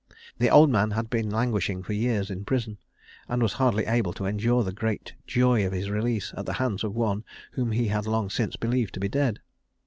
The old man had been languishing for years in prison, and was hardly able to endure the great joy of his release at the hands of one whom he had long since believed to be dead.